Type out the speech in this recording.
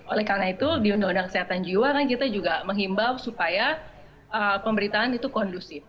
oleh karena itu di undang undang kesehatan jiwa kan kita juga menghimbau supaya pemberitaan itu kondusif